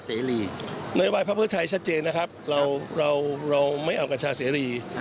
ผมขอสนับสนุนพรรคเผื้อไทย